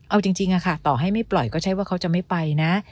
เอาจริงค่ะต่อให้ไม่ปล่อยก็ใช่ว่าเขาจะไม่ไปนะ